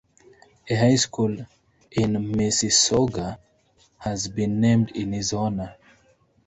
A high school in Mississauga has been named in his honour.